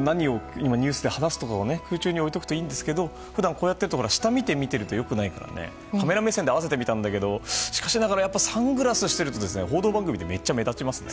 何を今ニュースで話すかとかを空中で置いておくといいんですけど普段こうやってると下を見ていると良くないからカメラ目線で合わせてみたけどサングラスをしていると報道番組ってめっちゃ目立ちますね。